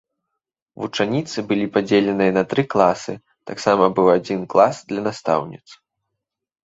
Вучаніцы былі падзеленыя на тры класы, таксама быў адзін клас для настаўніц.